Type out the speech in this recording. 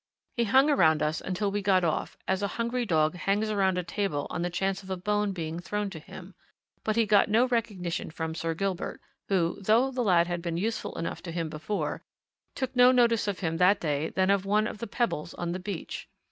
He hung around us until we got off, as a hungry dog hangs around a table on the chance of a bone being thrown to him; but he got no recognition from Sir Gilbert, who, though the lad had been useful enough to him before, took no more notice of him that day than of one of the pebbles on the beach.